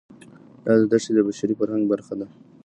دا دښتې د بشري فرهنګ برخه ده.